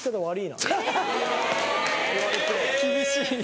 厳しい。